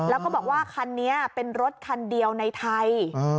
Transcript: แล้วก็บอกว่าคันนี้เป็นรถคันเดียวในไทย